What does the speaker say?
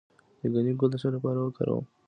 د ګنی ګل د څه لپاره وکاروم؟